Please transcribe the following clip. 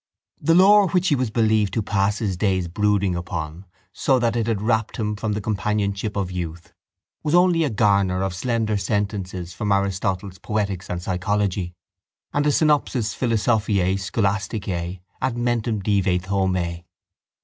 The lore which he was believed to pass his days brooding upon so that it had rapt him from the companionship of youth was only a garner of slender sentences from Aristotle's poetics and psychology and a Synopsis Philosophiæ Scholasticæ ad mentem divi Thomæ.